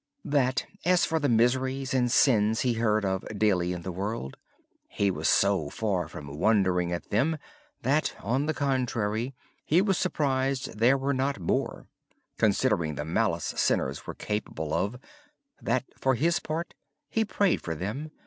He said that as far as the miseries and sins he heard of daily in the world, he was so far from wondering at them, that, on the contrary, he was surprised there were not more considering the malice sinners were capable of. For his part, he prayed for them.